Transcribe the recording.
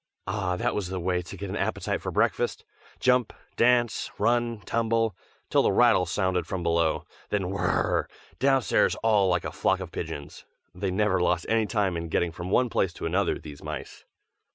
Ah! that was the way to get an appetite for breakfast. Jump, dance, run, tumble, till the rattle sounded from below; then whirr! downstairs all like a flock of pigeons. They never lost any time in getting from one place to another, these mice.